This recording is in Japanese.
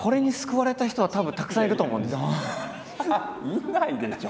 いないでしょ？